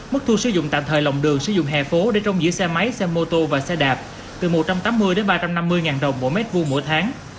mức thu sử dụng tạm thời lòng đường sử dụng hè phố để trong giữa xe máy xe mô tô và xe đạp từ một trăm tám mươi ba trăm năm mươi đồng mỗi mét vuông mỗi tháng